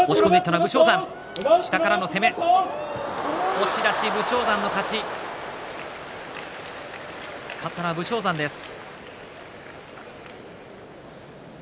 押し出し、武将山の勝ち勝ったのは武将山です。